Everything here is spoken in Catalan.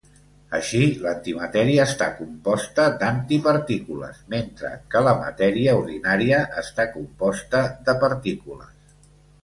Així, l'antimatèria està composta d'antipartícules, mentre que la matèria ordinària està composta de partícules.